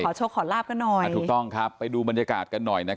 โชคขอลาบกันหน่อยถูกต้องครับไปดูบรรยากาศกันหน่อยนะครับ